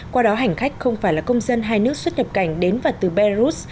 qua đó hành khách không phải là công dân hai nước xuất nhập cảnh đến và từ belarus